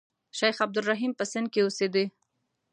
شیخ عبدالرحیم په سند کې اوسېدی.